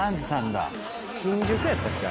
新宿やったっけ？